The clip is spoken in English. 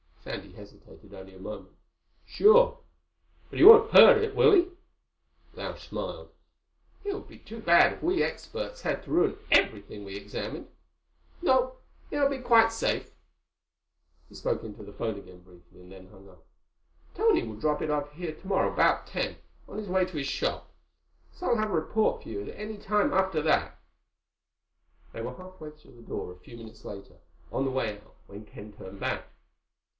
Sandy hesitated only a moment. "Sure. But he won't hurt it, will he?" Lausch smiled. "It would be too bad if we experts had to ruin everything we examined. No, it will be quite safe." He spoke into the phone again briefly and then hung up. "Tony will drop it off here tomorrow about ten, on his way to his shop. So I'll have a report for you any time after that." They were halfway to the door a few minutes later, on the way out, when Ken turned back.